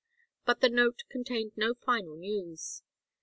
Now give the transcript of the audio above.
But the note contained no final news.